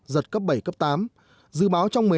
giật cấp bảy cấp tám dự báo trong một mươi hai giờ tới